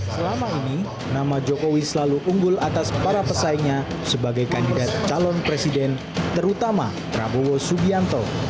selama ini nama jokowi selalu unggul atas para pesaingnya sebagai kandidat calon presiden terutama prabowo subianto